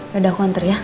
yaudah aku nganter ya